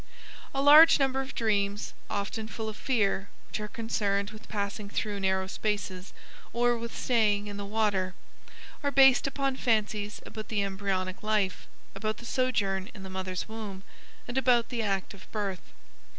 A large number of dreams, often full of fear, which are concerned with passing through narrow spaces or with staying, in the water, are based upon fancies about the embryonic life, about the sojourn in the mother's womb, and about the act of birth.